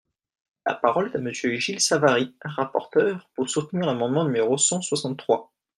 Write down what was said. La parole est à Monsieur Gilles Savary, rapporteur, pour soutenir l’amendement numéro cent soixante-trois.